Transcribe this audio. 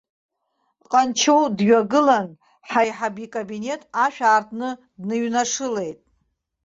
Ҟанчоу дҩагылан, ҳаиҳаб икабинет ашә аартны дныҩнашылеит.